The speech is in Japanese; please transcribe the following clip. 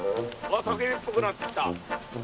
焚き火っぽくなってきた。